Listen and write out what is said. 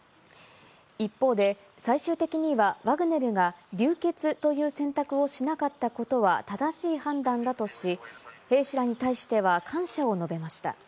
一方で、最終的にはワグネルが流血という選択をしなかったことは正しい判断だとし、兵士らに対しては感謝を述べました。